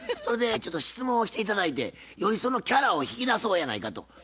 それでちょっと質問をして頂いてよりそのキャラを引き出そうやないかと。